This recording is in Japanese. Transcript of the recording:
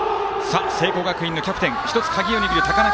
聖光学院のキャプテンバッターは１つ鍵を握る高中